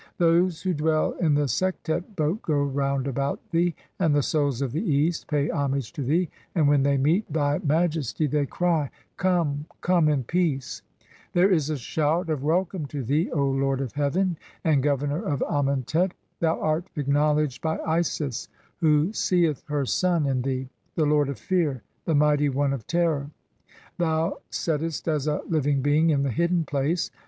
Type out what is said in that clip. Those who "dwell in the Sektet boat (9) go round about thee, and the "Souls of the East pay homage to thee, and when they meet thy "Majesty they cry : 'Come, come in peace !' There is a shout "of welcome to thee (10), O lord of heaven and governor of "Amentet! Thou art acknowledged by Isis who sceth her son "in thee, the lord of fear, the mighty one of terror. Thou settest "as a living being (11) in the hidden place.